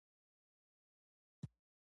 خو هغه افلاین ملګرتیا هم ستونزمنه ګڼي